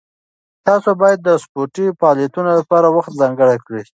تاسو باید د سپورټي فعالیتونو لپاره وخت ځانګړی کړئ.